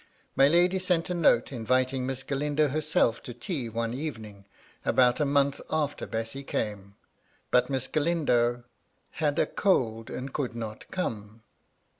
My lady sent a note inviting Miss Galindo herself to tea one evening, about a month after Bessy came ; but Miss Galindo "had a cold and could not come."